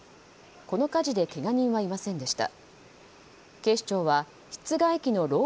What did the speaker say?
この火事でけが人はいませんでした。